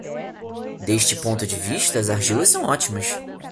Deste ponto de vista, as argilas são ótimas.